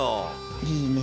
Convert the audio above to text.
いいね。